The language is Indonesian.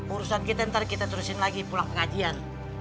urusan kita ntar kita terusin lagi pulang pengajian